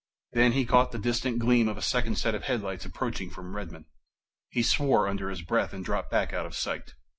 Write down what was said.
Then he caught the distant gleam of a second set of headlights approaching from Redmon. He swore under his breath and dropped back out of sight.